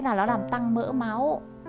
nó làm tăng mỡ máu